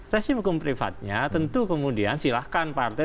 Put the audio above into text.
resim hukum privatnya tentu kemudian silahkan partai